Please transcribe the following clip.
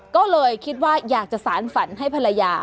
ก็เลยคิดว่าอยากจะสารฝันให้ภรรยา